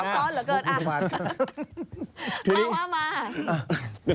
ลุกซ้อนหรือเกิด